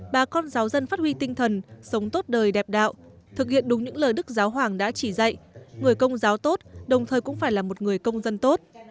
bà con giáo dân phát huy tinh thần sống tốt đời đẹp đạo thực hiện đúng những lời đức giáo hoàng đã chỉ dạy người công giáo tốt đồng thời cũng phải là một người công dân tốt